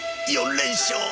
４連勝。